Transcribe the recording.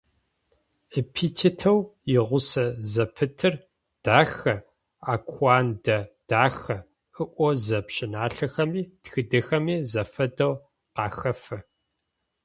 Эпитетэу игъусэ зэпытыр «дахэ» - «Акуандэ-дахэ», ыӏозэ пщыналъэхэми тхыдэхэми зэфэдэу къахэфэ.